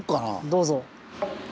どうぞ。